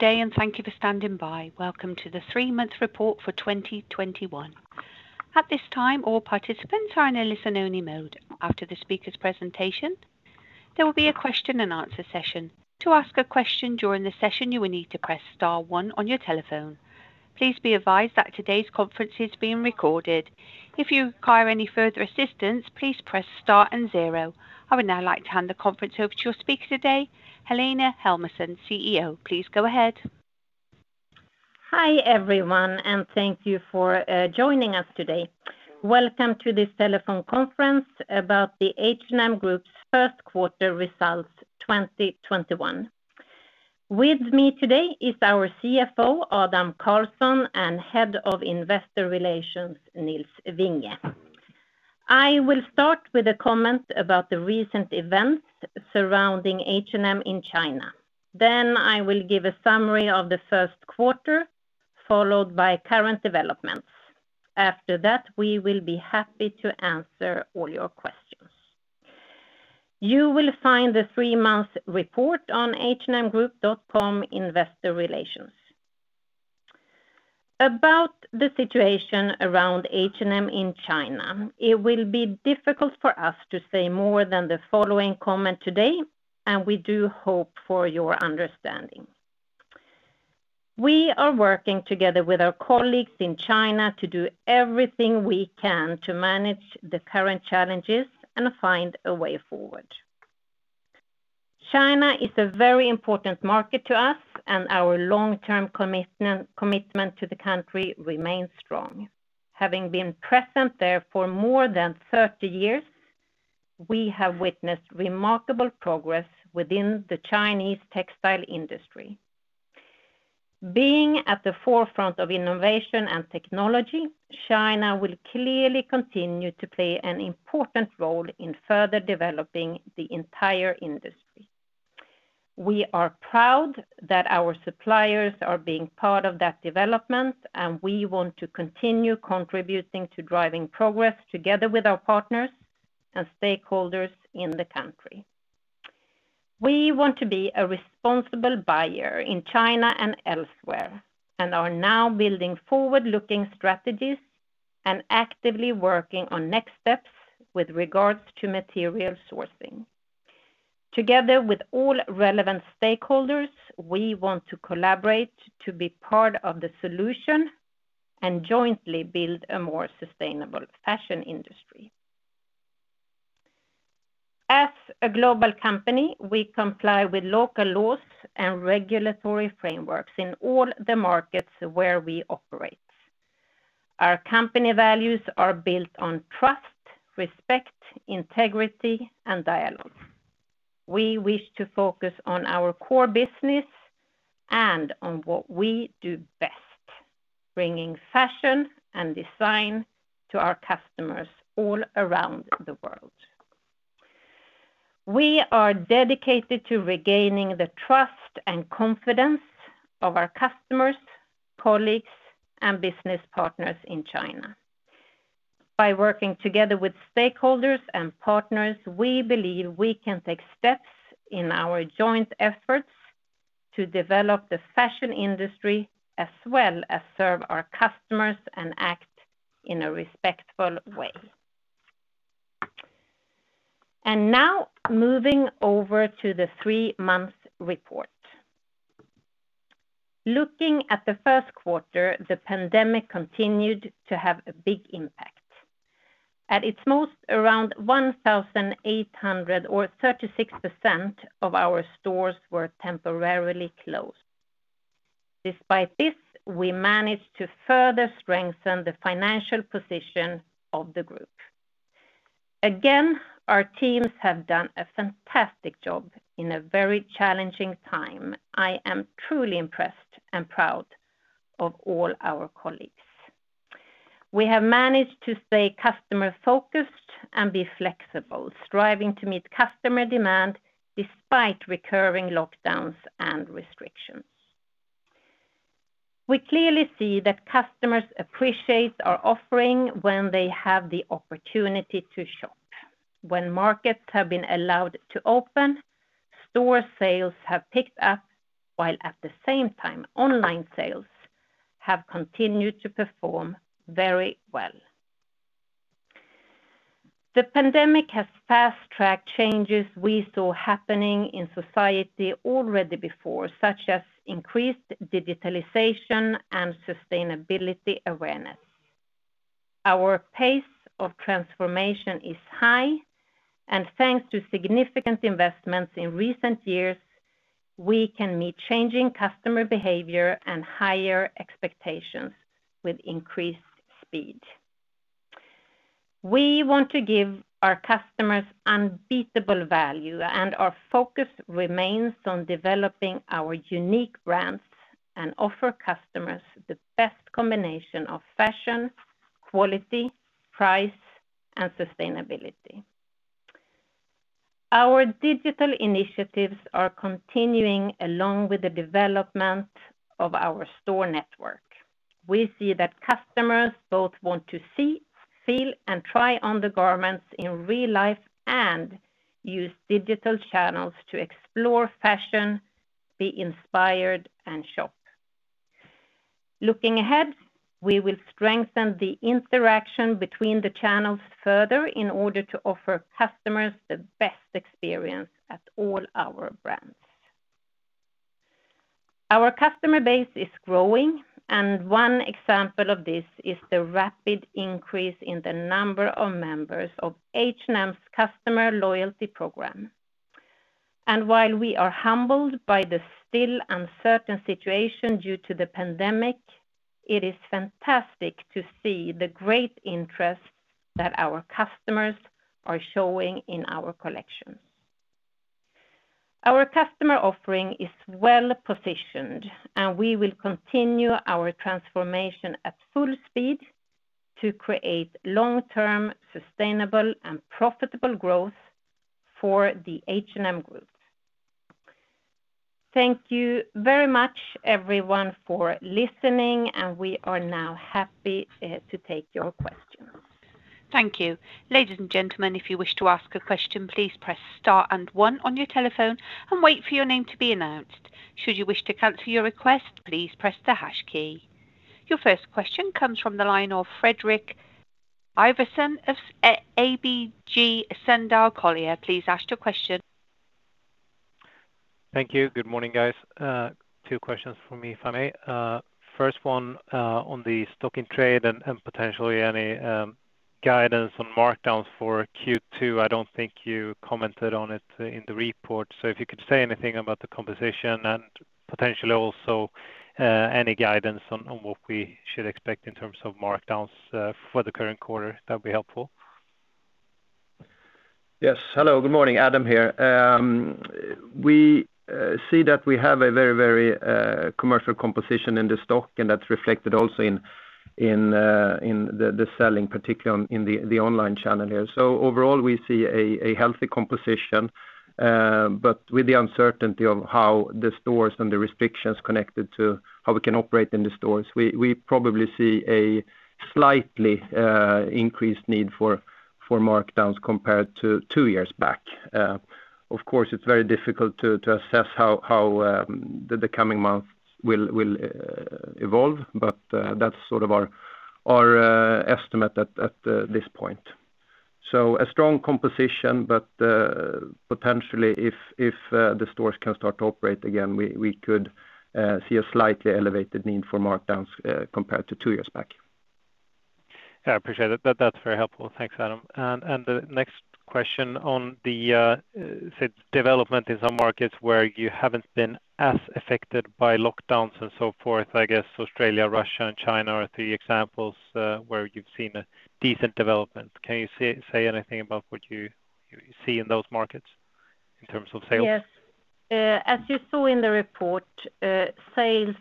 Good day. Thank you for standing by. Welcome to the three-month report for 2021. At this time, all participants are in listen only mode. After the speaker's presentation, there will be a question and answer session. To ask a question during the session, you will need to press star one on your telephone. Please be advised that today's conference is being recorded. If you require any further assistance, please press star and zero. I would now like to hand the conference over to your speaker today, Helena Helmersson, Chief Executive Officer. Please go ahead. Hi, everyone, and thank you for joining us today. Welcome to this telephone conference about the H&M Group's first quarter results 2021. With me today is our Chief Financial Officer, Adam Karlsson, and Head of Investor Relations, Nils Vinge. I will start with a comment about the recent events surrounding H&M in China. I will give a summary of the first quarter, followed by current developments. After that, we will be happy to answer all your questions. You will find the three-month report on hmgroup.com Investor Relations. About the situation around H&M in China, it will be difficult for us to say more than the following comment today, and we do hope for your understanding. We are working together with our colleagues in China to do everything we can to manage the current challenges and find a way forward. China is a very important market to us and our long-term commitment to the country remains strong. Having been present there for more than 30 years, we have witnessed remarkable progress within the Chinese textile industry. Being at the forefront of innovation and technology, China will clearly continue to play an important role in further developing the entire industry. We are proud that our suppliers are being part of that development, and we want to continue contributing to driving progress together with our partners and stakeholders in the country. We want to be a responsible buyer in China and elsewhere and are now building forward-looking strategies and actively working on next steps with regards to material sourcing. Together with all relevant stakeholders, we want to collaborate to be part of the solution and jointly build a more sustainable fashion industry. As a global company, we comply with local laws and regulatory frameworks in all the markets where we operate. Our company values are built on trust, respect, integrity, and dialogue. We wish to focus on our core business and on what we do best, bringing fashion and design to our customers all around the world. We are dedicated to regaining the trust and confidence of our customers, colleagues, and business partners in China. By working together with stakeholders and partners, we believe we can take steps in our joint efforts to develop the fashion industry as well as serve our customers and act in a respectful way. Now moving over to the three-month report. Looking at the first quarter, the pandemic continued to have a big impact. At its most, around 1,800 or 36% of our stores were temporarily closed. Despite this, we managed to further strengthen the financial position of the group. Again, our teams have done a fantastic job in a very challenging time. I am truly impressed and proud of all our colleagues. We have managed to stay customer-focused and be flexible, striving to meet customer demand despite recurring lockdowns and restrictions. We clearly see that customers appreciate our offering when they have the opportunity to shop. When markets have been allowed to open, store sales have picked up, while at the same time, online sales have continued to perform very well. The pandemic has fast-tracked changes we saw happening in society already before, such as increased digitalization and sustainability awareness. Our pace of transformation is high, and thanks to significant investments in recent years, we can meet changing customer behavior and higher expectations with increased speed. We want to give our customers unbeatable value. Our focus remains on developing our unique brands and offer customers the best combination of fashion, quality, price, and sustainability. Our digital initiatives are continuing along with the development of our store network. We see that customers both want to see, feel, and try on the garments in real life and use digital channels to explore fashion, be inspired, and shop. Looking ahead, we will strengthen the interaction between the channels further in order to offer customers the best experience at all our brands. Our customer base is growing. One example of this is the rapid increase in the number of members of H&M's customer loyalty program. While we are humbled by the still uncertain situation due to the pandemic, it is fantastic to see the great interest that our customers are showing in our collection. Our customer offering is well-positioned, and we will continue our transformation at full speed to create long-term, sustainable, and profitable growth for the H&M Group. Thank you very much, everyone, for listening, and we are now happy to take your questions. Thank you. Ladies and gentlemen, if you wish to ask a question, please press star and one on your telephone and wait for your name to be announced. Should you wish to cancel your request, please press the hash key. Your first question comes from the line of Fredrik Ivarsson of ABG Sundal Collier. Please ask your question. Thank you. Good morning, guys. Two questions from me, if I may. First one on the stock in trade and potentially any guidance on markdowns for Q2. I don't think you commented on it in the report, so if you could say anything about the composition and potentially also any guidance on what we should expect in terms of markdowns for the current quarter, that would be helpful. Yes. Hello, good morning. Adam here. We see that we have a very commercial composition in the stock, and that's reflected also in the selling, particularly in the online channel here. Overall, we see a healthy composition, but with the uncertainty of how the stores and the restrictions connected to how we can operate in the stores, we probably see a slightly increased need for markdowns compared to two years back. Of course, it's very difficult to assess how the coming months will evolve, but that's sort of our estimate at this point. A strong composition, but potentially if the stores can start to operate again, we could see a slightly elevated need for markdowns compared to two years back. Yeah, I appreciate it. That's very helpful. Thanks, Adam. The next question on the development in some markets where you haven't been as affected by lockdowns and so forth. I guess Australia, Russia, and China are three examples where you've seen a decent development. Can you say anything about what you see in those markets in terms of sales? Yes. As you saw in the report, sales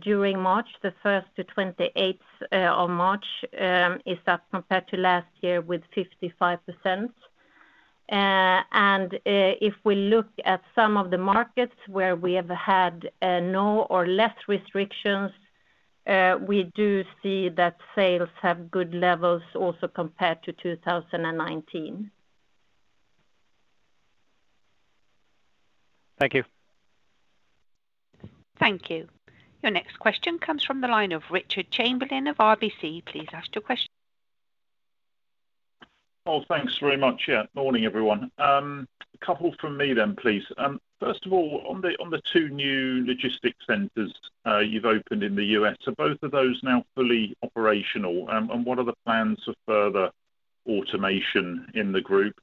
during March, the first to 28th of March, is up compared to last year with 55%. If we look at some of the markets where we have had no or less restrictions, we do see that sales have good levels also compared to 2019. Thank you. Thank you. Your next question comes from the line of Richard Chamberlain of RBC. Please ask your question. Thanks very much. Morning, everyone. Couple from me then, please. First of all, on the two new logistics centers you've opened in the U.S., are both of those now fully operational? What are the plans for further automation in the group?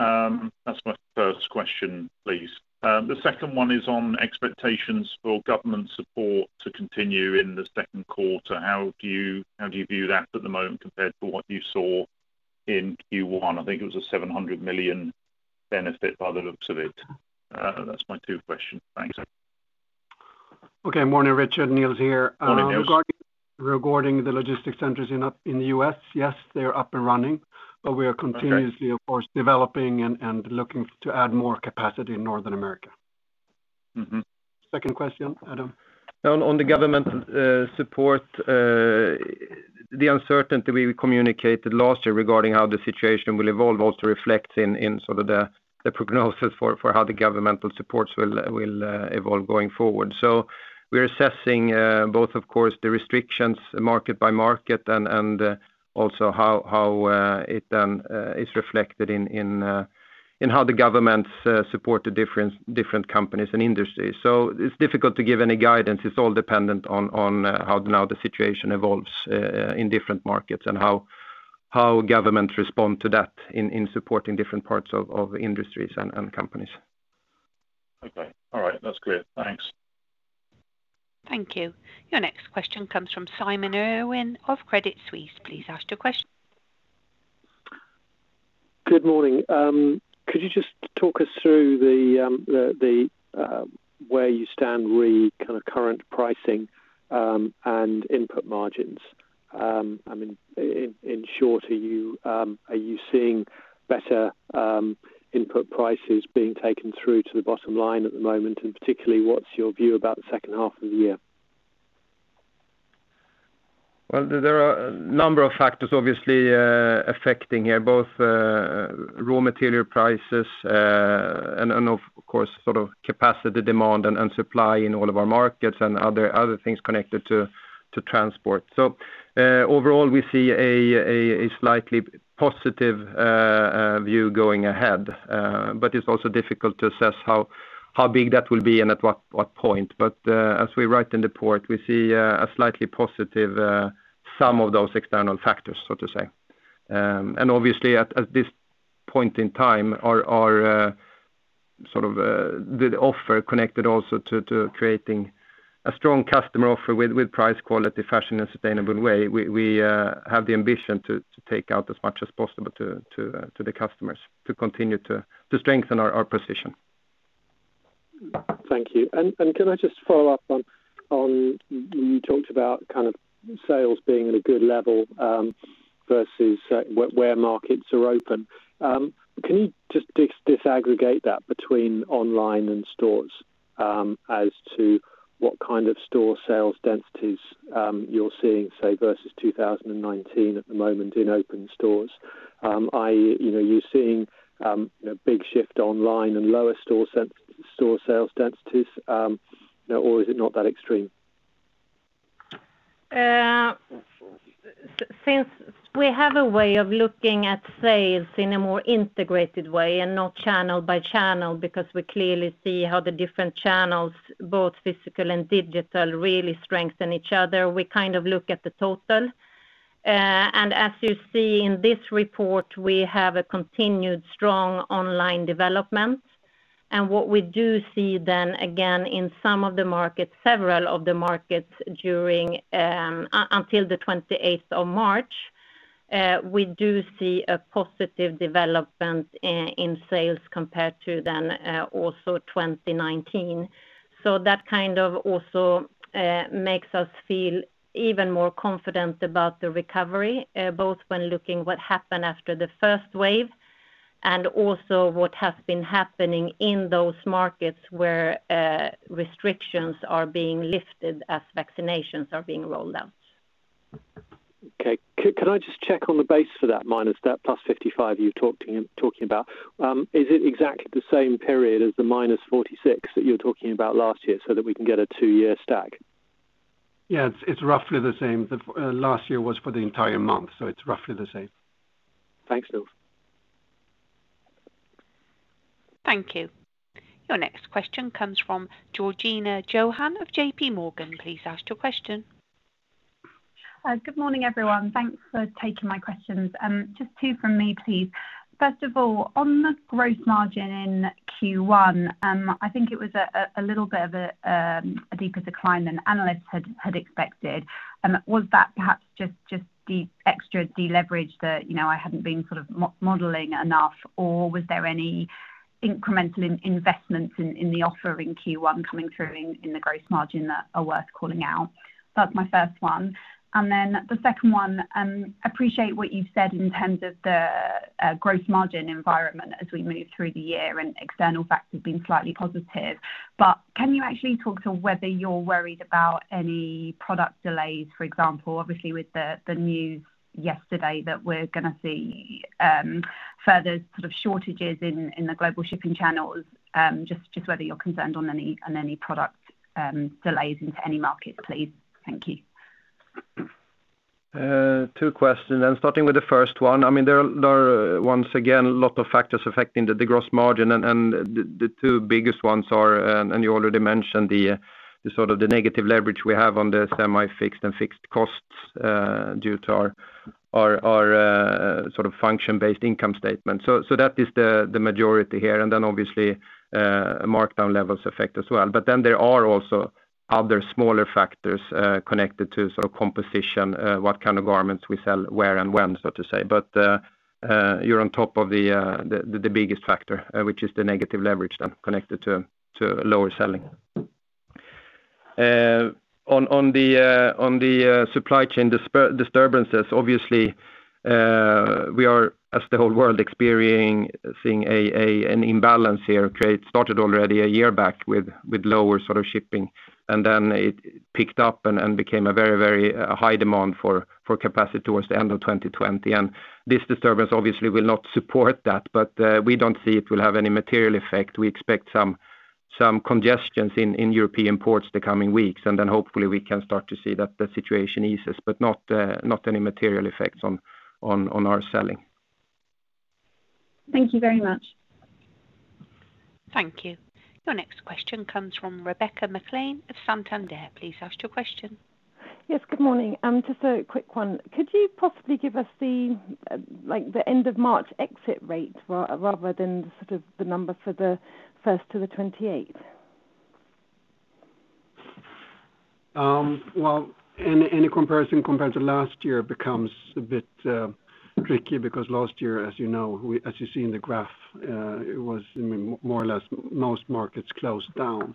That's my first question, please. The second one is on expectations for government support to continue in the second quarter. How do you view that at the moment compared to what you saw in Q1? I think it was a 700 million benefit by the looks of it. That's my two questions. Thanks. Okay. Morning, Richard. Nils here. Morning, Nils. Regarding the logistics centers in the U.S., yes, they are up and running. Okay. We are continuously, of course, developing and looking to add more capacity in Northern America. Second question, Adam? On the government support, the uncertainty we communicated last year regarding how the situation will evolve also reflects in sort of the prognosis for how the governmental supports will evolve going forward. We're assessing both, of course, the restrictions market by market and also how it then is reflected in how the governments support the different companies and industries. It's difficult to give any guidance. It's all dependent on how now the situation evolves in different markets and how governments respond to that in supporting different parts of industries and companies. Okay. All right. That's clear. Thanks. Thank you. Your next question comes from Simon Irwin of Credit Suisse. Please ask your question. Good morning. Could you just talk us through where you stand re kind of current pricing and input margins? In short, are you seeing better input prices being taken through to the bottom line at the moment? Particularly, what's your view about the second half of the year? Well, there are a number of factors obviously affecting here, both raw material prices and of course, capacity, demand and supply in all of our markets and other things connected to transport. Overall, we see a slightly positive view going ahead. It's also difficult to assess how big that will be and at what point. As we write in the report, we see a slightly positive sum of those external factors, so to say. Obviously at this point in time, the offer connected also to creating a strong customer offer with price quality, fashion, and sustainable way. We have the ambition to take out as much as possible to the customers to continue to strengthen our position. Thank you. Can I just follow up on, you talked about sales being at a good level, versus where markets are open. Can you just disaggregate that between online and stores as to what kind of store sales densities you're seeing, say, versus 2019 at the moment in open stores? Are you seeing a big shift online and lower store sales densities, or is it not that extreme? Since we have a way of looking at sales in a more integrated way and not channel by channel, because we clearly see how the different channels, both physical and digital, really strengthen each other, we look at the total. As you see in this report, we have a continued strong online development. What we do see then, again, in several of the markets until the 28th of March, we do see a positive development in sales compared to then also 2019. That kind of also makes us feel even more confident about the recovery, both when looking what happened after the first wave and also what has been happening in those markets where restrictions are being lifted as vaccinations are being rolled out. Okay. Can I just check on the base for that minus, that +55 you are talking about? Is it exactly the same period as the -46 that you were talking about last year so that we can get a two-year stack? Yeah, it's roughly the same. Last year was for the entire month, so it's roughly the same. Thanks, Adam. Thank you. Your next question comes from Georgina Johanan of JPMorgan. Please ask your question. Good morning, everyone. Thanks for taking my questions. Just two from me, please. First of all, on the gross margin in Q1, I think it was a little bit of a deeper decline than analysts had expected. Was that perhaps just the extra deleverage that I hadn't been modeling enough, or was there any incremental investments in the offering Q1 coming through in the gross margin that are worth calling out? That's my first one. The second one, appreciate what you've said in terms of the gross margin environment as we move through the year and external factors being slightly positive, but can you actually talk to whether you're worried about any product delays, for example, obviously with the news yesterday that we're going to see further shortages in the global shipping channels, just whether you're concerned on any product delays into any markets, please. Thank you. Two questions. Starting with the first one, there are, once again, a lot of factors affecting the gross margin, and the two biggest ones are, and you already mentioned, the negative leverage we have on the semi-fixed and fixed costs due to our function-based income statement. That is the majority here. Obviously, markdown levels affect as well. There are also other smaller factors connected to composition, what kind of garments we sell, where and when, so to say. You're on top of the biggest factor, which is the negative leverage then connected to lower selling. On the supply chain disturbances, obviously, we are, as the whole world, experiencing an imbalance here. Trade started already a year back with lower shipping, and then it picked up and became a very high demand for capacity towards the end of 2020. This disturbance obviously will not support that, but we don't see it will have any material effect. We expect some congestions in European ports the coming weeks. Hopefully we can start to see that the situation eases, but not any material effects on our selling. Thank you very much. Thank you. Your next question comes from Rebecca McClellan of Santander. Please ask your question. Yes, good morning. Just a quick one. Could you possibly give us the end of March exit rate rather than the number for the 1st to the 28th? Well, any comparison compared to last year becomes a bit tricky because last year, as you know, as you see in the graph, it was more or less most markets closed down.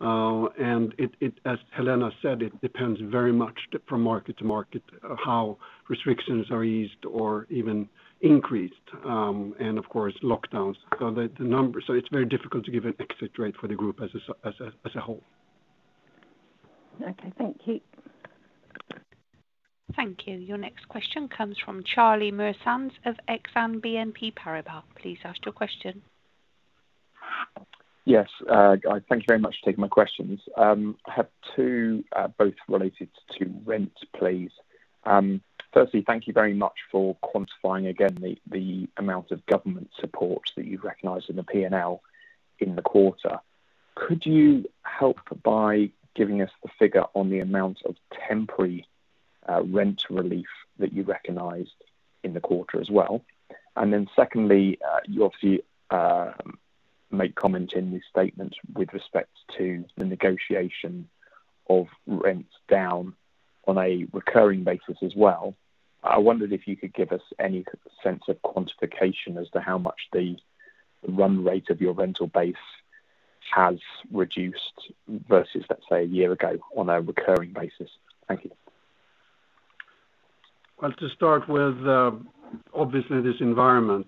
As Helena said, it depends very much from market to market how restrictions are eased or even increased, and of course, lockdowns. It's very difficult to give an exact rate for the group as a whole. Okay. Thank you. Thank you. Your next question comes from Charlie Muir of Exane BNP Paribas. Please ask your question. Yes. Thank you very much for taking my questions. I have two, both related to rent, please. Firstly, thank you very much for quantifying again the amount of government support that you recognized in the P&L in the quarter. Could you help by giving us the figure on the amount of temporary rent relief that you recognized in the quarter as well? Secondly, you obviously make comment in this statement with respect to the negotiation of rents down on a recurring basis as well. I wondered if you could give us any sense of quantification as to how much the run rate of your rental base has reduced versus, let's say, a year ago on a recurring basis. Thank you. To start with, obviously this environment,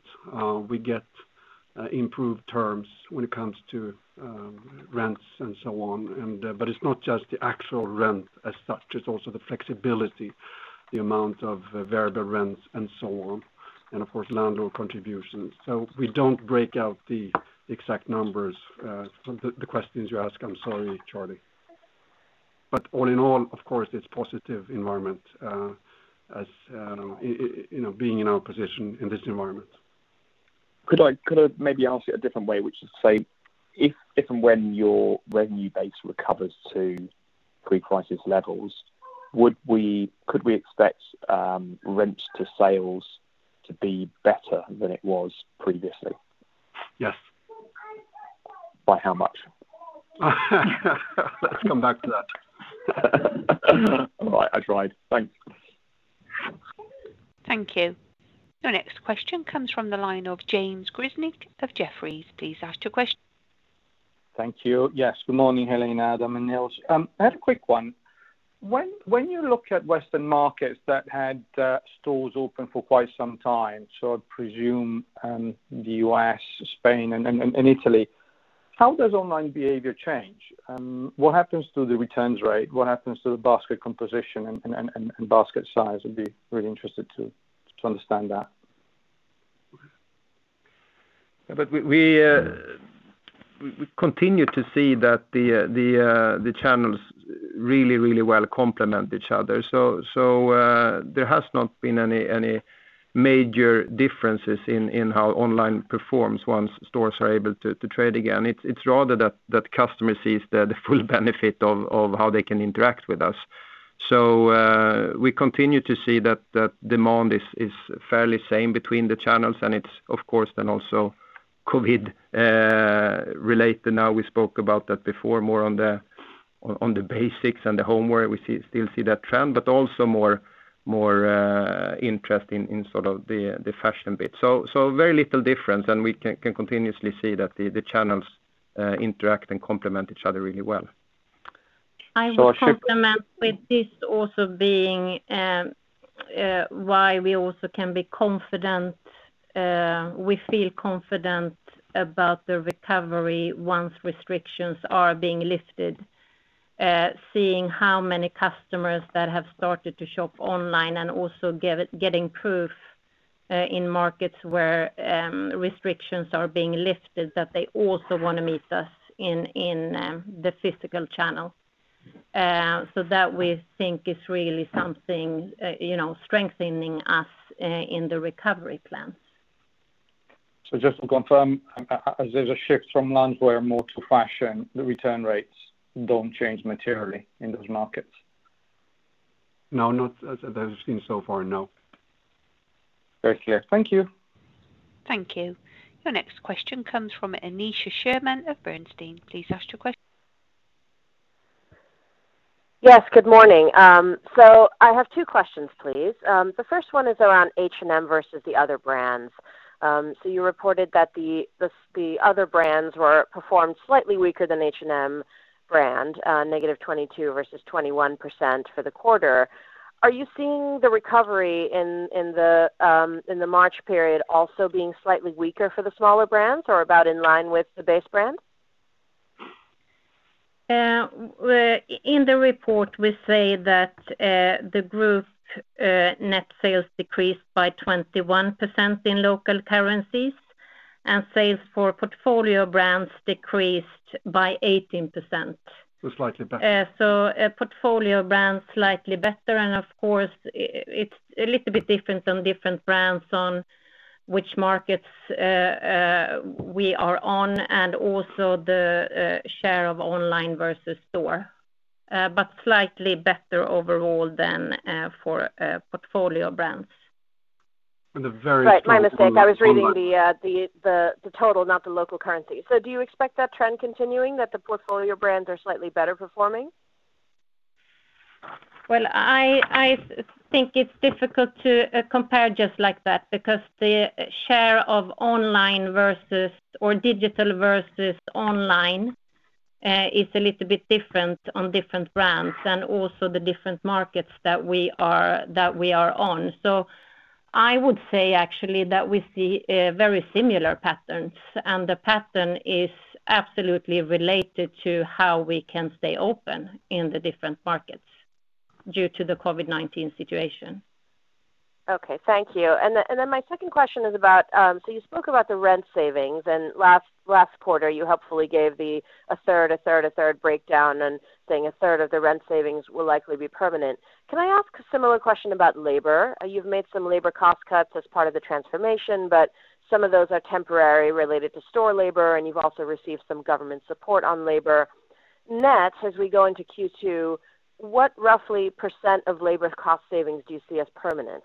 we get improved terms when it comes to rents and so on. It's not just the actual rent as such, it's also the flexibility, the amount of variable rents and so on. Of course, landlord contributions. We don't break out the exact numbers for the questions you ask. I'm sorry, Charlie. All in all, of course, it's positive environment, being in our position in this environment. Could I maybe ask it a different way, which is, say, if and when your revenue base recovers to pre-crisis levels, could we expect rent to sales to be better than it was previously? Yes. By how much? Let's come back to that. All right. I tried. Thanks. Thank you. Your next question comes from the line of James Grzinic of Jefferies. Please ask your question. Thank you. Yes, good morning, Helena, Adam, and Nils. I have a quick one. When you look at Western markets that had stores open for quite some time, so I presume, the U.S., Spain, and Italy, how does online behavior change? What happens to the returns rate? What happens to the basket composition and basket size? I'd be really interested to understand that. We continue to see that the channels really, really well complement each other. There has not been any major differences in how online performs once stores are able to trade again. It's rather that customer sees the full benefit of how they can interact with us. We continue to see that demand is fairly same between the channels, and it's of course then also COVID-19 related. Now we spoke about that before more on the basics and the home wear. We still see that trend, but also more interest in the fashion bit. Very little difference, and we can continuously see that the channels interact and complement each other really well. I complement with this also being why we also can be confident. We feel confident about the recovery once restrictions are being lifted. Seeing how many customers that have started to shop online and also getting proof in markets where restrictions are being lifted, that they also want to meet us in the physical channel. That we think is really something strengthening us in the recovery plan. Just to confirm, as there's a shift from loungewear more to fashion, the return rates don't change materially in those markets? No, not as I've seen so far, no. Very clear. Thank you. Thank you. Your next question comes from Aneesha Sherman of Bernstein. Please ask your question. Yes, good morning. I have two questions, please. The first one is around H&M versus the other brands. You reported that the other brands were performed slightly weaker than H&M brand, -22% versus -21% for the quarter. Are you seeing the recovery in the March period also being slightly weaker for the smaller brands or about in line with the base brand? In the report, we say that the group net sales decreased by 21% in local currencies, and sales for portfolio brands decreased by 18%. Slightly better. Portfolio brands slightly better, of course, it's a little bit different on different brands on which markets we are on and also the share of online versus store. Slightly better overall than for portfolio brands. And the very small group. Right, my mistake. I was reading the total, not the local currency. Do you expect that trend continuing, that the portfolio brands are slightly better performing? Well, I think it's difficult to compare just like that, because the share of online versus, or digital versus online, is a little bit different on different brands and also the different markets that we are on. I would say, actually, that we see very similar patterns, and the pattern is absolutely related to how we can stay open in the different markets due to the COVID-19 situation. Okay, thank you. My second question is about, so you spoke about the rent savings, and last quarter you helpfully gave a third breakdown, and saying a third of the rent savings will likely be permanent. Can I ask a similar question about labor? You've made some labor cost cuts as part of the transformation, but some of those are temporary related to store labor, and you've also received some government support on labor. Net, as we go into Q2, what roughly percent of labor cost savings do you see as permanent?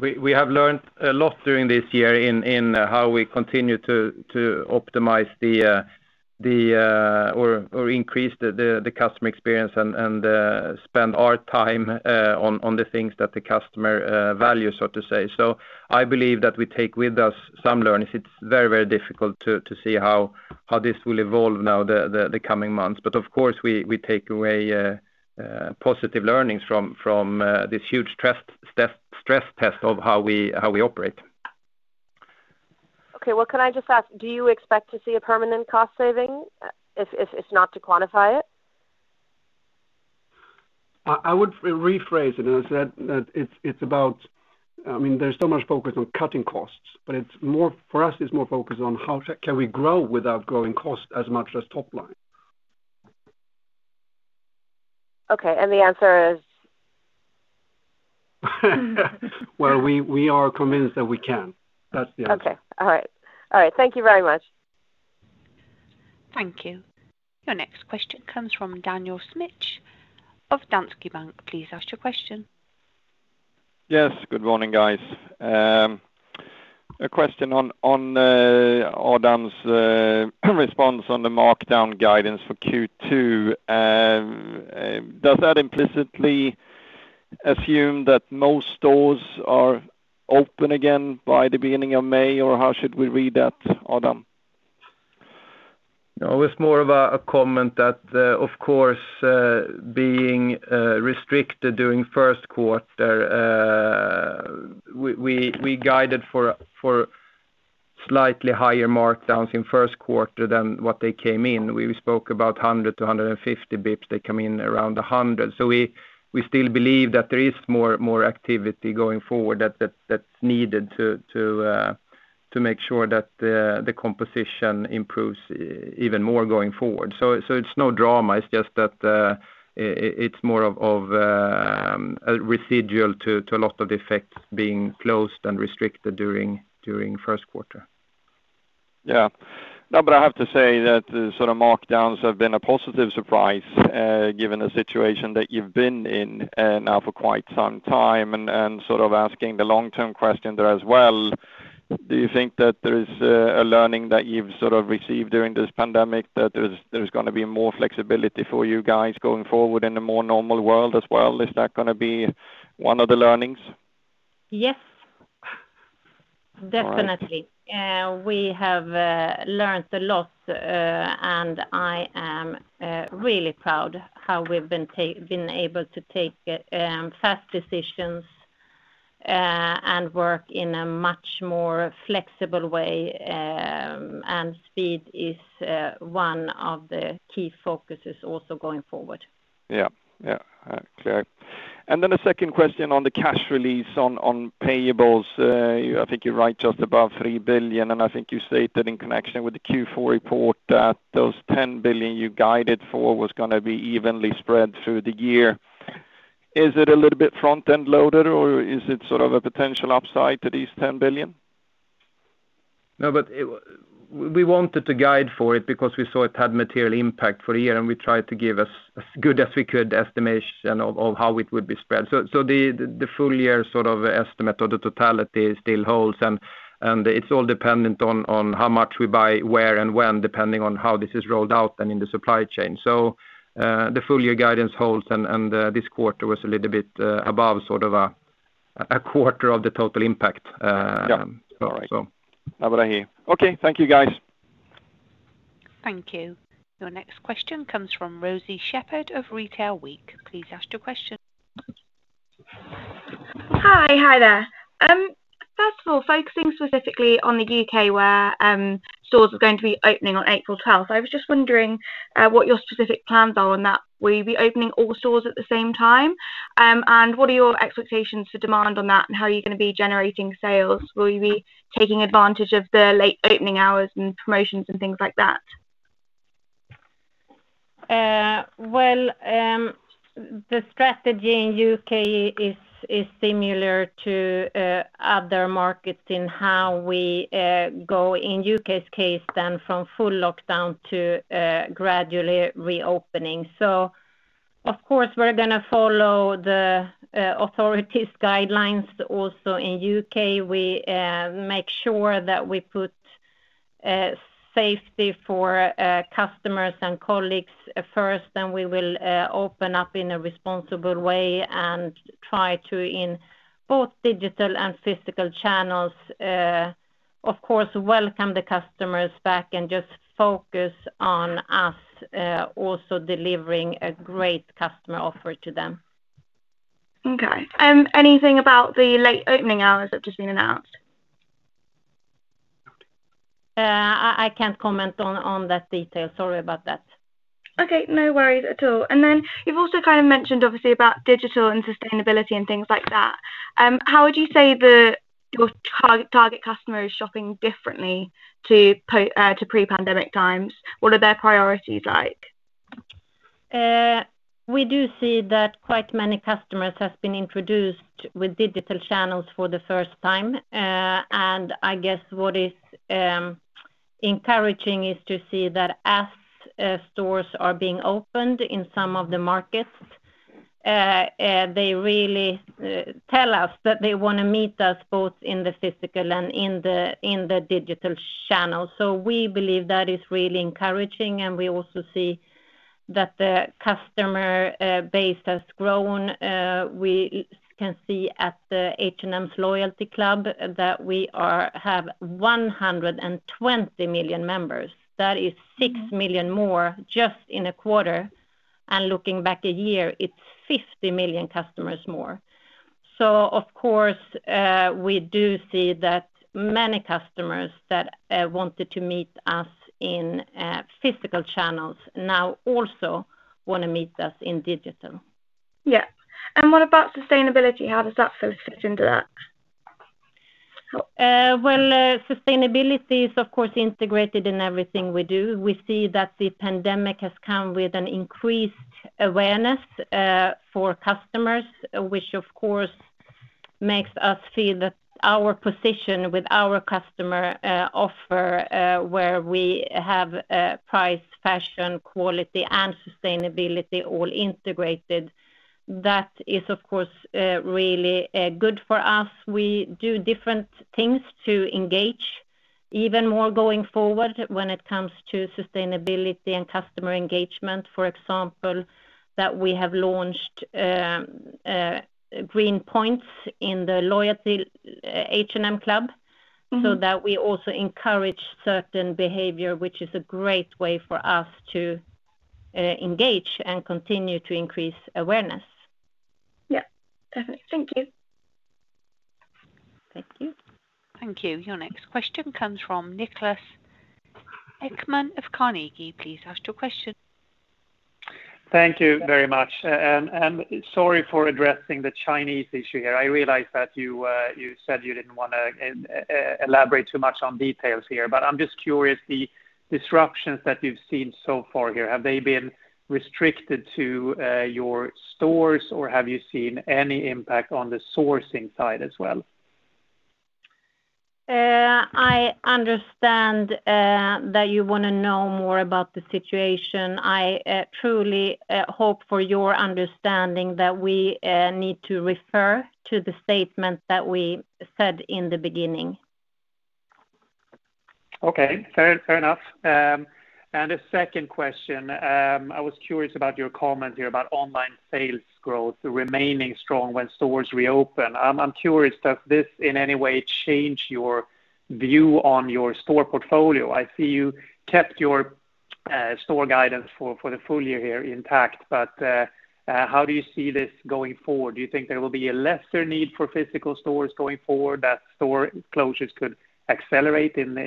We have learnt a lot during this year in how we continue to optimize or increase the customer experience and spend our time on the things that the customer values, so to say. I believe that we take with us some learnings. Of course, we take away positive learnings from this huge stress test of how we operate. Okay. Well, can I just ask, do you expect to see a permanent cost saving if not to quantify it? I would rephrase it, and I said that it's about, there's so much focus on cutting costs, but for us, it's more focused on how can we grow without growing cost as much as top line. Okay, the answer is? Well, we are convinced that we can. That's the answer. Okay. All right. Thank you very much. Thank you. Your next question comes from Daniel Schmidt of Danske Bank. Please ask your question. Yes, good morning, guys. A question on Adam's response on the markdown guidance for Q2. Does that implicitly assume that most stores are open again by the beginning of May, or how should we read that, Adam? No, it was more of a comment that, of course, being restricted during first quarter, we guided for slightly higher markdowns in first quarter than what they came in. We spoke about 100-150 bps. They come in around 100 bps. We still believe that there is more activity going forward that's needed to make sure that the composition improves even more going forward. It's no drama. It's just that it's more of a residual to a lot of the effects being closed and restricted during first quarter. No, I have to say that the sort of markdowns have been a positive surprise, given the situation that you've been in now for quite some time and sort of asking the long-term question there as well. Do you think that there is a learning that you've sort of received during this pandemic, that there's going to be more flexibility for you guys going forward in a more normal world as well? Is that going to be one of the learnings? Yes. Definitely. We have learned a lot. I am really proud how we've been able to take fast decisions and work in a much more flexible way. Speed is one of the key focuses also going forward. Yeah. All right, clear. A second question on the cash release on payables. I think you're right just above 3 billion, and I think you stated in connection with the Q4 report that those 10 billion you guided for was going to be evenly spread through the year. Is it a little bit front-end loaded, or is it sort of a potential upside to these 10 billion? No, but we wanted to guide for it because we saw it had material impact for the year, and we tried to give as good as we could estimation of how it would be spread. The full-year sort of estimate or the totality still holds, and it's all dependent on how much we buy, where, and when, depending on how this is rolled out and in the supply chain. The full-year guidance holds and this quarter was a little bit above sort of a quarter of the total impact. Yeah. All right. That what I hear. Okay. Thank you, guys. Thank you. Your next question comes from Rosie Shepard of Retail Week. Please ask your question. Hi there. First of all, focusing specifically on the U.K. where stores are going to be opening on April 12th. I was just wondering what your specific plans are on that. Will you be opening all stores at the same time? And what are your expectations for demand on that and how are you going to be generating sales? Will you be taking advantage of the late opening hours and promotions and things like that? The strategy in U.K. is similar to other markets in how we go in U.K.'s case then from full lockdown to gradually reopening. Of course, we're going to follow the authorities' guidelines also in U.K. We make sure that we put safety for customers and colleagues first, then we will open up in a responsible way and try to, in both digital and physical channels, of course, welcome the customers back and just focus on us also delivering a great customer offer to them. Okay. Anything about the late opening hours that have just been announced? I can't comment on that detail. Sorry about that. Okay. No worries at all. You've also mentioned, obviously, about digital and sustainability and things like that. How would you say your target customer is shopping differently to pre-pandemic times? What are their priorities like? We do see that quite many customers have been introduced with digital channels for the first time. I guess what is encouraging is to see that as stores are being opened in some of the markets, they really tell us that they want to meet us both in the physical and in the digital channel. We believe that is really encouraging, and we also see that the customer base has grown. We can see at the H&M's loyalty club that we have 120 million members. That is 6 million more just in a quarter. Looking back a year, it's 50 million customers more. Of course, we do see that many customers that wanted to meet us in physical channels now also want to meet us in digital. Yeah. What about sustainability? How does that sort of fit into that? Well, sustainability is, of course, integrated in everything we do. We see that the pandemic has come with an increased awareness for customers, which of course makes us feel that our position with our customer offer where we have price, fashion, quality, and sustainability all integrated. That is, of course, really good for us. We do different things to engage even more going forward when it comes to sustainability and customer engagement, for example, that we have launched green points in the loyalty H&M Club so that we also encourage certain behavior, which is a great way for us to engage and continue to increase awareness. Yeah. Perfect. Thank you. Thank you. Thank you. Your next question comes from Niklas Ekman of Carnegie. Please ask your question. Thank you very much. Sorry for addressing the Chinese issue here. I realize that you said you didn't want to elaborate too much on details here, but I'm just curious, the disruptions that you've seen so far here, have they been restricted to your stores, or have you seen any impact on the sourcing side as well? I understand that you want to know more about the situation. I truly hope for your understanding that we need to refer to the statement that we said in the beginning. Okay. Fair enough. A second question. I was curious about your comment here about online sales growth remaining strong when stores reopen. I'm curious, does this in any way change your view on your store portfolio? I see you kept your store guidance for the full year here intact, but how do you see this going forward? Do you think there will be a lesser need for physical stores going forward, that store closures could accelerate later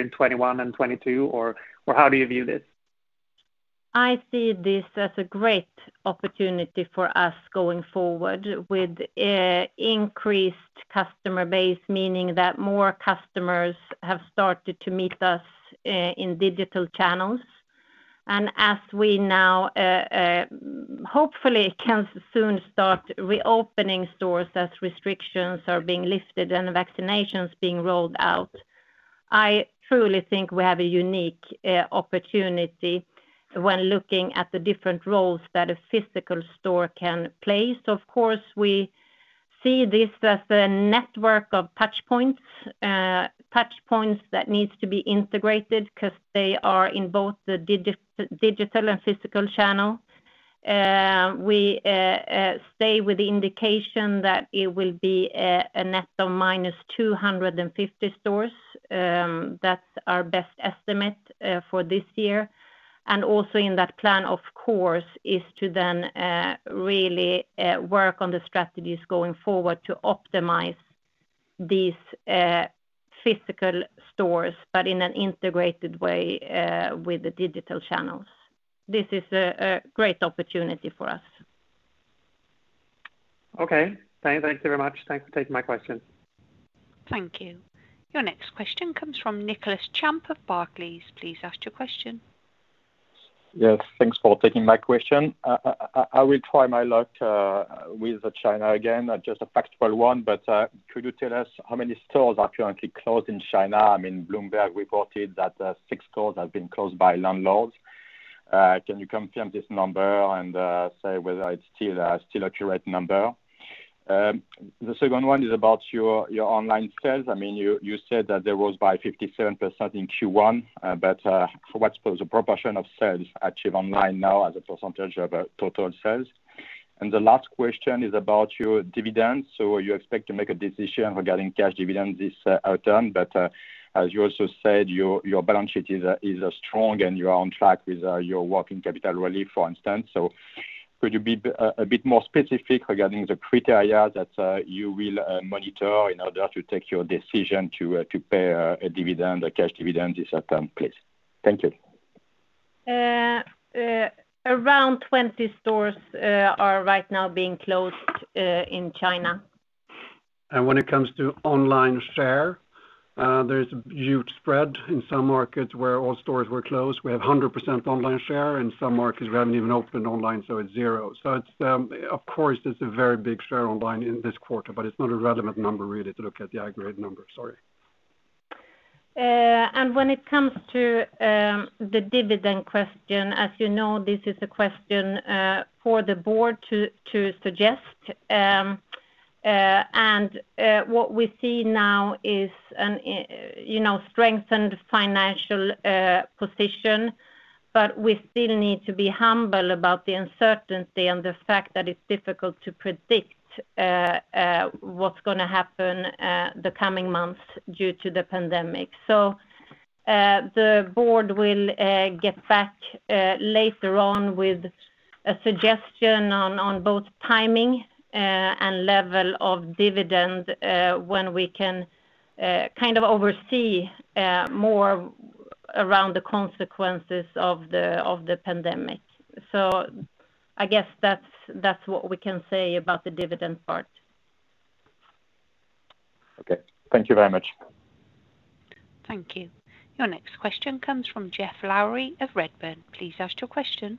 in 2021 and 2022, or how do you view this? I see this as a great opportunity for us going forward with increased customer base, meaning that more customers have started to meet us in digital channels. As we now, hopefully can soon start reopening stores as restrictions are being lifted and vaccinations being rolled out. I truly think we have a unique opportunity when looking at the different roles that a physical store can play. Of course, we see this as a network of touch points that needs to be integrated because they are in both the digital and physical channel. We stay with the indication that it will be a net of minus 250 stores. That's our best estimate for this year. Also in that plan, of course, is to then really work on the strategies going forward to optimize these physical stores, but in an integrated way with the digital channels. This is a great opportunity for us. Okay. Thanks very much. Thanks for taking my question. Thank you. Your next question comes from Nicolas Champ of Barclays. Please ask your question. Yes. Thanks for taking my question. I will try my luck with China again, just a factual one, but could you tell us how many stores are currently closed in China? Bloomberg reported that six stores have been closed by landlords. Can you confirm this number and say whether it's still accurate number? The second one is about your online sales. You said that there was by 57% in Q1, but what was the proportion of sales achieved online now as a percentage of total sales? The last question is about your dividends. You expect to make a decision regarding cash dividends this term, but, as you also said, your balance sheet is strong, and you are on track with your working capital relief, for instance. Could you be a bit more specific regarding the criteria that you will monitor in order to take your decision to pay a cash dividend this term, please? Thank you. Around 20 stores are right now being closed in China. When it comes to online share, there's a huge spread in some markets where all stores were closed. We have 100% online share. In some markets, we haven't even opened online, so it's zero. Of course, there's a very big share online in this quarter, but it's not a relevant number really to look at the aggregate number. Sorry. When it comes to the dividend question, as you know, this is a question for the board to suggest. What we see now is a strengthened financial position, but we still need to be humble about the uncertainty and the fact that it's difficult to predict what's going to happen the coming months due to the pandemic. The board will get back later on with a suggestion on both timing, and level of dividend, when we can kind of oversee more around the consequences of the pandemic. I guess that's what we can say about the dividend part. Okay. Thank you very much. Thank you. Your next question comes from Geoff Lowery of Redburn. Please ask your question.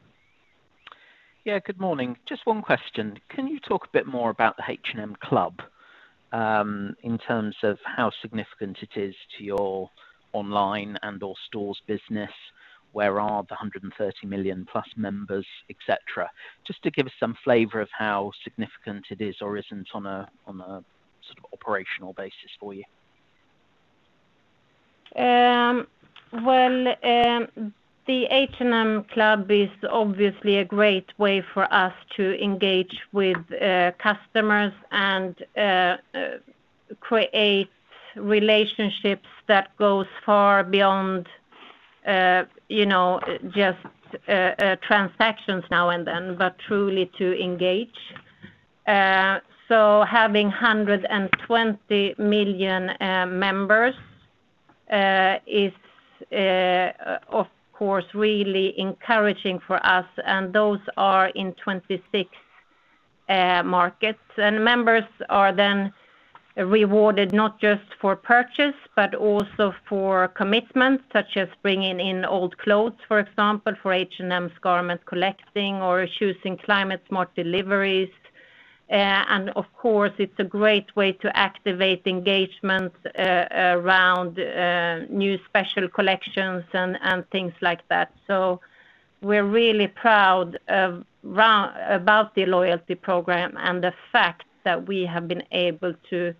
Yeah, good morning. Just one question. Can you talk a bit more about the H&M Membership, in terms of how significant it is to your online and/or stores business? Where are the 120 million members, et cetera? Just to give us some flavor of how significant it is or isn't on a sort of operational basis for you. The H&M Membership is obviously a great way for us to engage with customers and create relationships that goes far beyond just transactions now and then, but truly to engage. Having 120 million members is, of course, really encouraging for us. Those are in 26 markets. Members are then rewarded not just for purchase, but also for commitments such as bringing in old clothes, for example, for H&M's garment collecting or choosing climate smart deliveries. Of course, it's a great way to activate engagement around new special collections and things like that. We're really proud about the loyalty program and the fact that we have been able to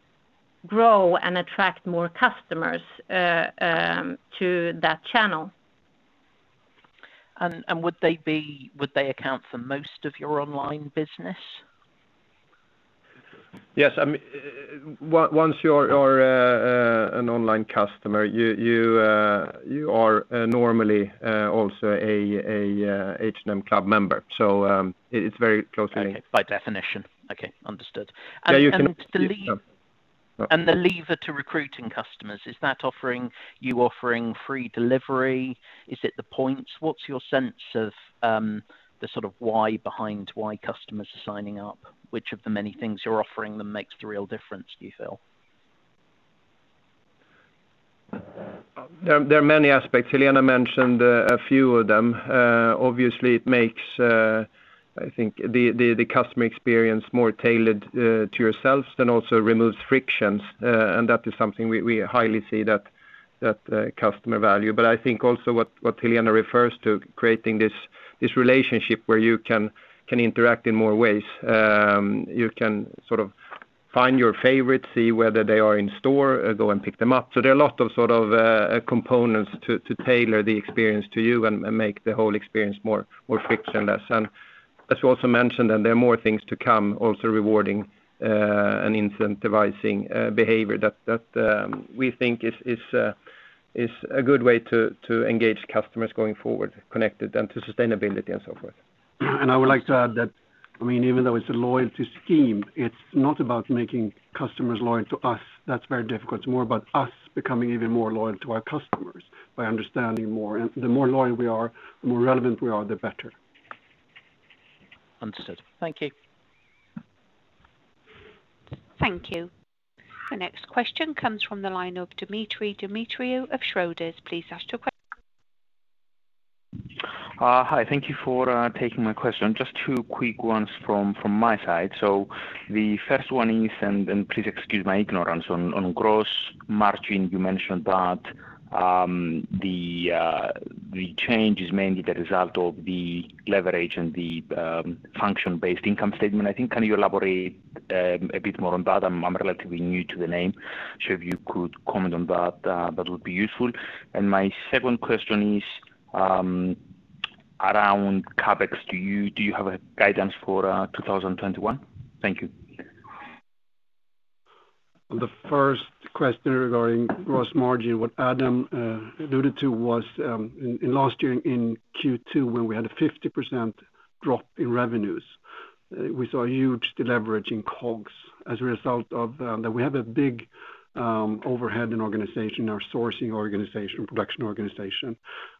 grow and attract more customers to that channel. Would they account for most of your online business? Yes. Once you're an online customer, you are normally also a H&M Membership member. Okay. By definition. Okay, understood. Yeah. The lever to recruiting customers, is that you offering free delivery? Is it the points? What's your sense of the sort of why behind why customers are signing up? Which of the many things you're offering them makes the real difference, do you feel? There are many aspects. Helena mentioned a few of them. Obviously, it makes, I think, the customer experience more tailored to yourselves and also removes frictions, and that is something we highly see that customer value. I think also what Helena refers to, creating this relationship where you can interact in more ways. You can sort of find your favorite, see whether they are in store, go and pick them up. There are a lot of sort of components to tailor the experience to you and make the whole experience more frictionless. As you also mentioned, and there are more things to come, also rewarding, and incentivizing behavior that we think is a good way to engage customers going forward, connected and to sustainability and so forth. I would like to add that, even though it's a loyalty scheme, it's not about making customers loyal to us. That's very difficult. It's more about us becoming even more loyal to our customers by understanding more. The more loyal we are, the more relevant we are, the better. Understood. Thank you. Thank you. The next question comes from the line of Dimitri Demetriou of Schroders. Please ask your question. Hi, thank you for taking my question. Just two quick ones from my side. The first one is, and please excuse my ignorance, on gross margin, you mentioned that the change is mainly the result of the leverage and the function-based income statement, I think? Can you elaborate a bit more on that? I'm relatively new to the name. If you could comment on that would be useful. My second question is around CapEx. Do you have a guidance for 2021? Thank you. On the first question regarding gross margin, what Adam alluded to was in last year in Q2, when we had a 50% drop in revenues, we saw a huge deleverage in cost of goods sold as a result of that. We have a big overhead in organization, our sourcing organization, production organization,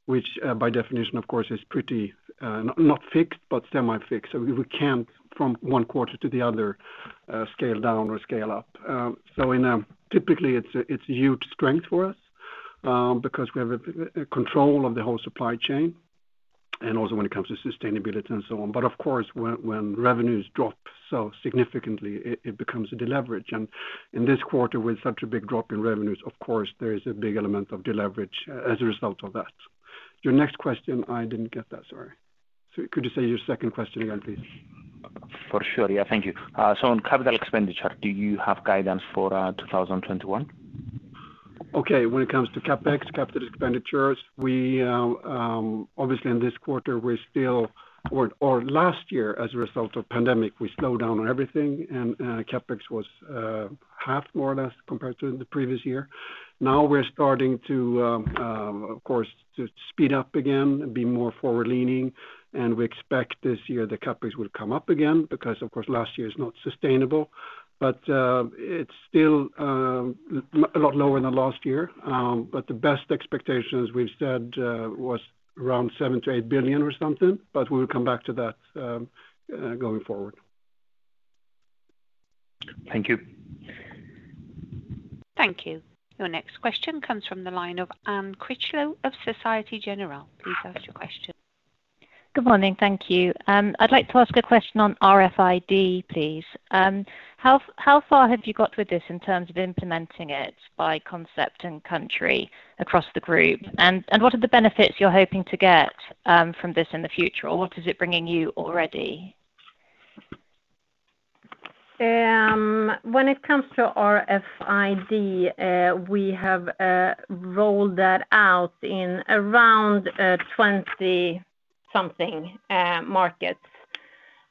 which by definition, of course, is pretty, not fixed, but semi-fixed. We can't from one quarter to the other, scale down or scale up. Typically it's a huge strength for us, because we have a control of the whole supply chain and also when it comes to sustainability and so on. Of course, when revenues drop so significantly, it becomes a deleverage. In this quarter with such a big drop in revenues, of course, there is a big element of deleverage as a result of that. Your next question, I didn't get that. Sorry. Could you say your second question again, please? For sure. Yeah. Thank you. On capital expenditure, do you have guidance for 2021? Okay. When it comes to CapEx, capital expenditures, obviously in this quarter, or last year as a result of pandemic, we slowed down on everything and CapEx was half more or less compared to the previous year. We're starting to, of course, to speed up again and be more forward-leaning, and we expect this year the CapEx will come up again because of course, last year is not sustainable. It's still a lot lower than last year. The best expectations we've said, was around 7 billion-8 billion or something, but we'll come back to that going forward. Thank you. Thank you. Your next question comes from the line of Anne Critchlow of Société Générale. Please ask your question. Good morning. Thank you. I'd like to ask a question on radio frequency identification, please. How far have you got with this in terms of implementing it by concept and country across the group? What are the benefits you're hoping to get from this in the future? What is it bringing you already? When it comes to RFID, we have rolled that out in around 20-something markets.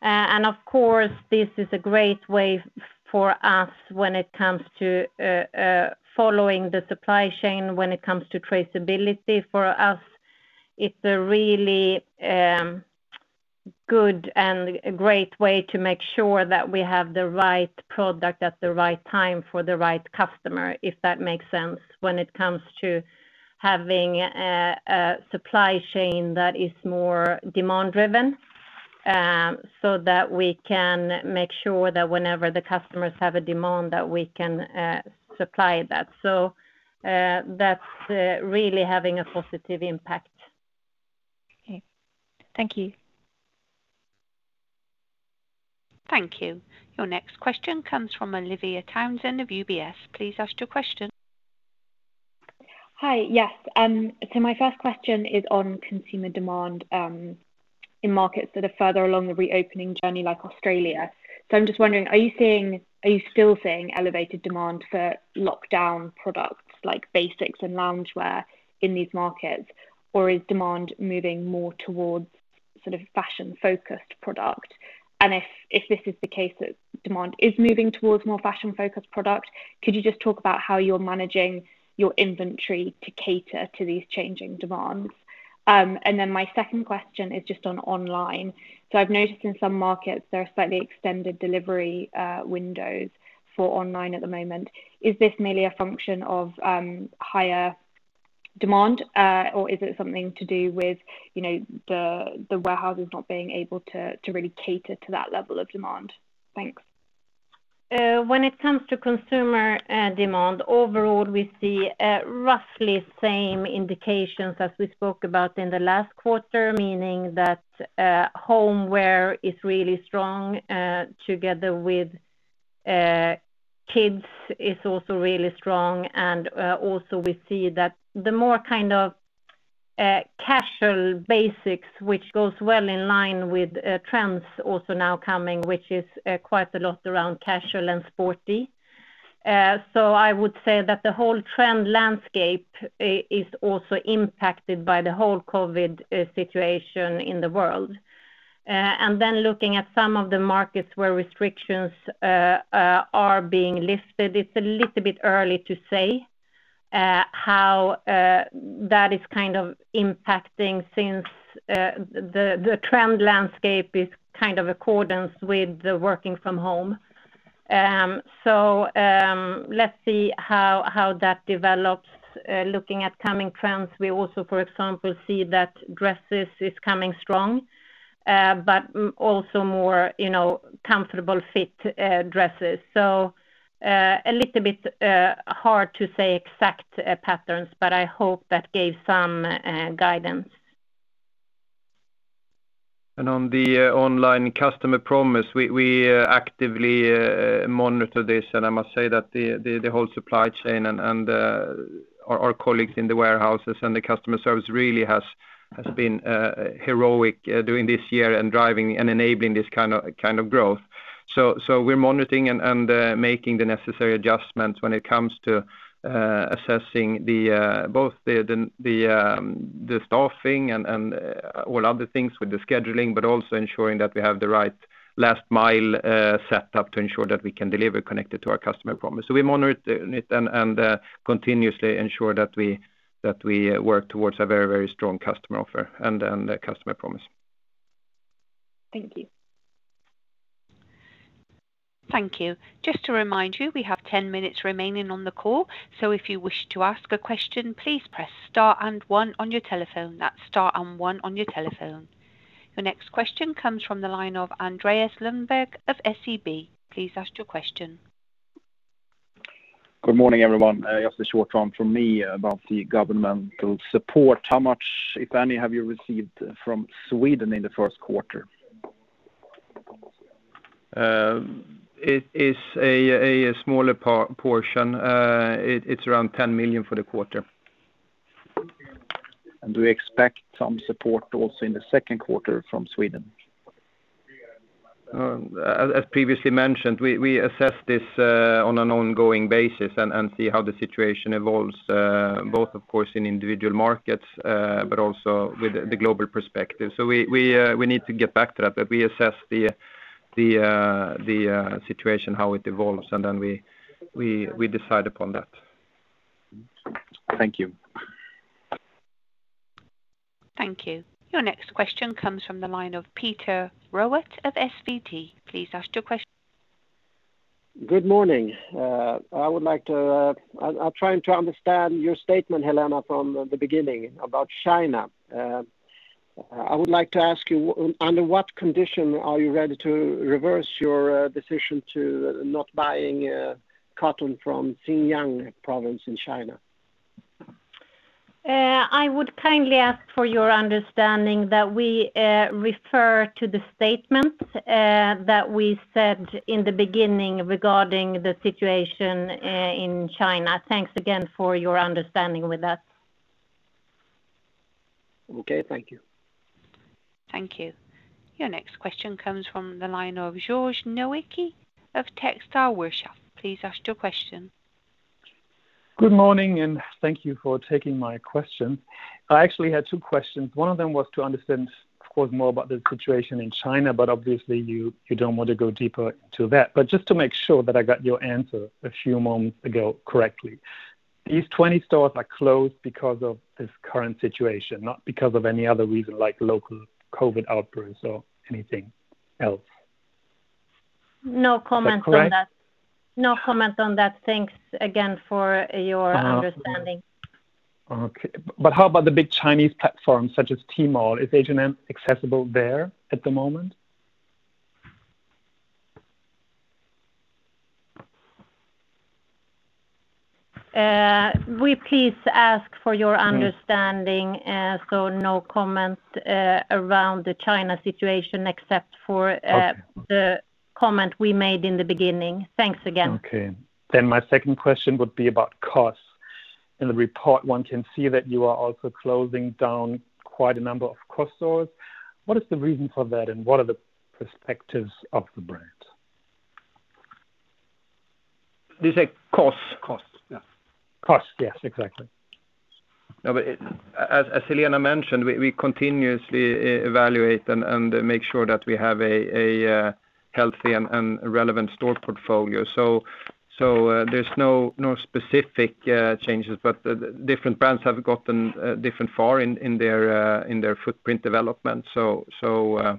Of course, this is a great way for us when it comes to following the supply chain, when it comes to traceability for us, it's a really good and a great way to make sure that we have the right product at the right time for the right customer, if that makes sense, when it comes to having a supply chain that is more demand driven, so that we can make sure that whenever the customers have a demand that we can supply that. That's really having a positive impact. Okay. Thank you. Thank you. Your next question comes from Olivia Townsend of UBS. Please ask your question. Hi. Yes. My first question is on consumer demand, in markets that are further along the reopening journey like Australia. I'm just wondering, are you still seeing elevated demand for lockdown products like basics and loungewear in these markets? Is demand moving more towards sort of fashion-focused product? If this is the case that demand is moving towards more fashion-focused product, could you just talk about how you're managing your inventory to cater to these changing demands? My second question is just on online. I've noticed in some markets there are slightly extended delivery windows for online at the moment. Is this merely a function of higher demand? Is it something to do with the warehouses not being able to really cater to that level of demand? Thanks. When it comes to consumer demand, overall, we see roughly same indications as we spoke about in the last quarter, meaning that homeware is really strong, together with kids is also really strong. Also we see that the more kind of casual basics, which goes well in line with trends also now coming, which is quite a lot around casual and sporty. I would say that the whole trend landscape is also impacted by the whole COVID situation in the world. Looking at some of the markets where restrictions are being lifted, it's a little bit early to say how that is kind of impacting since the trend landscape is in accordance with the working from home. Let's see how that develops. Looking at coming trends, we also, for example, see that dresses is coming strong, but also more comfortable fit dresses. A little bit hard to say exact patterns, but I hope that gave some guidance. On the online customer promise, we actively monitor this. I must say that the whole supply chain and our colleagues in the warehouses and the customer service really has been heroic during this year and driving and enabling this kind of growth. We are monitoring and making the necessary adjustments when it comes to assessing both the staffing and all other things with the scheduling, but also ensuring that we have the right last mile set up to ensure that we can deliver connected to our customer promise. We monitor it and continuously ensure that we work towards a very strong customer offer and customer promise. Thank you. Thank you. Just to remind you, we have 10 minutes remaining on the call. If you wish to ask a question, please press star and one on your telephone. That's star and one on your telephone. Your next question comes from the line of Andreas Lundberg of SEB. Please ask your question. Good morning, everyone. Just a short one from me about the governmental support. How much, if any, have you received from Sweden in the first quarter? It is a smaller portion. It's around 10 million for the quarter. Do we expect some support also in the second quarter from Sweden? As previously mentioned, we assess this on an ongoing basis and see how the situation evolves, both of course in individual markets, but also with the global perspective. We need to get back to that, but we assess the situation, how it evolves, and then we decide upon that. Thank you. Thank you. Your next question comes from the line of Peter Rowett of SVT. Please ask your question. Good morning. I'm trying to understand your statement, Helena, from the beginning about China. I would like to ask you, under what condition are you ready to reverse your decision to not buying cotton from Xinjiang province in China? I would kindly ask for your understanding that we refer to the statement that we said in the beginning regarding the situation in China. Thanks again for your understanding with that. Okay. Thank you. Thank you. Your next question comes from the line of George Nowicki of Textile Workshop. Please ask your question. Good morning. Thank you for taking my question. I actually had two questions. One of them was to understand, of course, more about the situation in China. Obviously, you don't want to go deeper into that. Just to make sure that I got your answer a few moments ago correctly. These 20 stores are closed because of this current situation, not because of any other reason like local COVID-19 outbreaks or anything else. No comment on that. Is that correct? No comment on that. Thanks again for your understanding. Okay. How about the big Chinese platforms such as Tmall? Is H&M accessible there at the moment? We please ask for your understanding. No comment around the China situation. The comment we made in the beginning. Thanks again. Okay. My second question would be about Collection of Style. In the report, one can see that you are also closing down quite a number of COS stores. What is the reason for that, and what are the perspectives of the brand? Did you say COS? COS, yeah. COS. Yes, exactly. As Helena mentioned, we continuously evaluate and make sure that we have a healthy and relevant store portfolio. There's no specific changes, but different brands have gotten different far in their footprint development. Part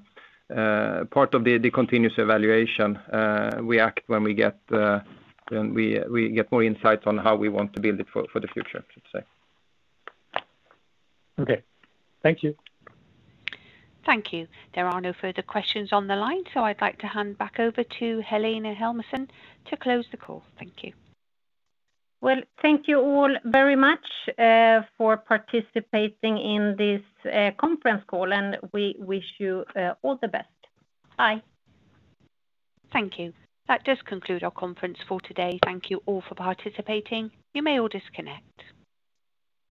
of the continuous evaluation, we act when we get more insights on how we want to build it for the future, I should say. Okay. Thank you. Thank you. There are no further questions on the line, so I'd like to hand back over to Helena Helmersson to close the call. Thank you. Thank you all very much for participating in this conference call, and we wish you all the best. Bye. Thank you. That does conclude our conference for today. Thank you all for participating. You may all disconnect.